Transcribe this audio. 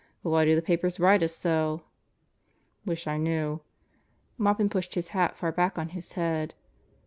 "But why do the papers ride us so?" "Wish I knew." Maupin pushed his hat far back on his head.